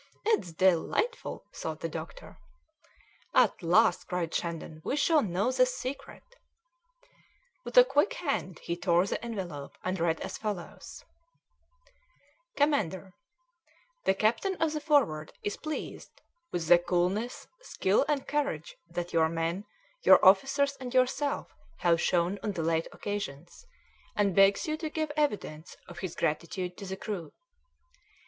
"It's delightful!" thought the doctor. "At last," cried Shandon, "we shall know the secret." With a quick hand he tore the envelope and read as follows: "COMMANDER, The captain of the Forward is pleased with the coolness, skill, and courage that your men, your officers, and yourself have shown on the late occasions, and begs you to give evidence of his gratitude to the crew.